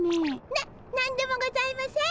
な何でもございません。